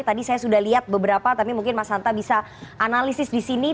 tadi saya sudah lihat beberapa tapi mungkin mas hanta bisa analisis di sini